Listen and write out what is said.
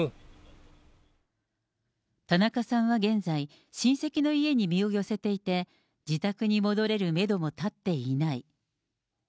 田中さんは現在、親戚の家に身を寄せていて、自宅に戻れるメドも立っていない。